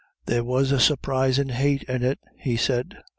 "There was a surprisin' hate in it," he said.